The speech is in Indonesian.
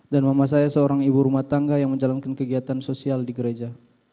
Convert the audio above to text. dan mama saya seorang ibu rumah tangga yang menjalankan kegiatan sosial di gereja